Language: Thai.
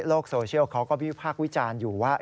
โลกโซเชียลเขาก็วิจารณ์อยู่ว่า